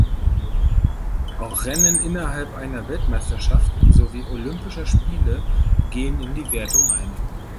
Auch Rennen innerhalb einer Weltmeisterschaft sowie Olympischer Spiele gehen in die Wertung ein.